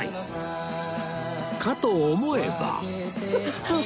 かと思えば